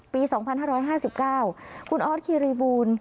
ปีสองพันห้าร้อยห้าสิบเก้าคุณออสคีรีบูน